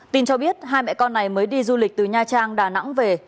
tin cho biết hai mẹ con này mới đi du lịch từ nha trang đà nẵng về